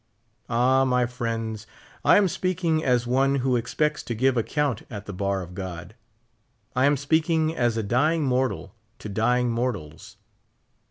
Ah, my friends, I am speaking as one who expects to give account at the bar of God ; I am speaking as a dy ing mortal to dying mortals.